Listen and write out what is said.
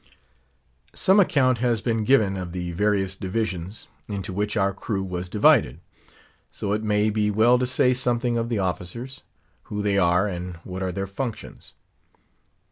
Some account has been given of the various divisions into which our crew was divided; so it may be well to say something of the officers; who they are, and what are their functions.